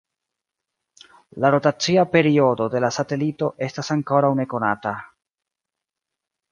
La rotacia periodo de la satelito estas ankoraŭ nekonata.